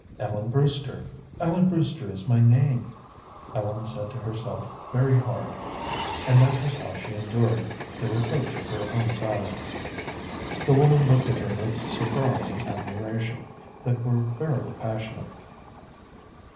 "Ellen Brewster Ellen Brewster is my name," Ellen said to herself very hard, and that was how she endured the reproach of her own silence. The woman looked at her with surprise and admiration that were fairly passionate.